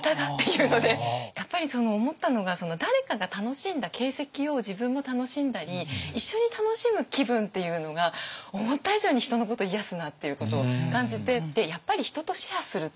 やっぱり思ったのが誰かが楽しんだ形跡を自分も楽しんだり一緒に楽しむ気分っていうのが思った以上に人のこと癒やすなっていうことを感じて。